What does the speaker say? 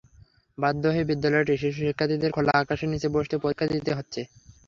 বাধ্য হয়ে বিদ্যালয়টির শিশু শিক্ষার্থীদের খোলা আকাশের নিচে বসে পরীক্ষা দিতে হচ্ছে।